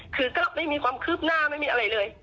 คือก็ไม่มีความคืบหน้าไม่มีอะไรเลย